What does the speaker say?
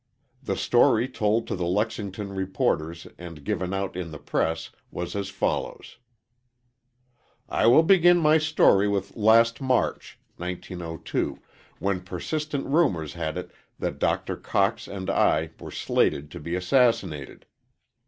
The story told to the Lexington reporters and given out in the press was as follows: "I will begin my story with last March (1902) when persistent rumors had it that Doctor Cox and I were slated to be assassinated.